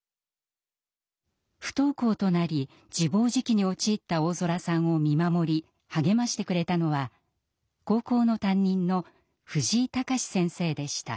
不登校となり自暴自棄に陥った大空さんを見守り励ましてくれたのは高校の担任の藤井崇史先生でした。